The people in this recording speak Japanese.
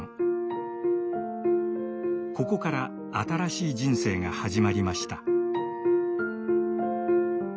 ここから新しい人生が始まりました。